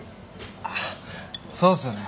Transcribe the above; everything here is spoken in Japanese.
あっそうですよね。